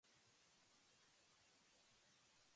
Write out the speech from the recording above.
栃木県大田原市